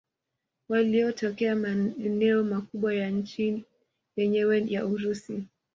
Walioteka maeneo makubwa ya nchi yenyewe ya Urusi